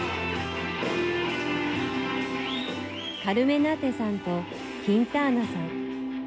カルメナテさんとキンターナさん。